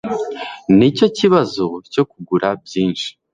Nicyo kibazo cyo kugura byinshi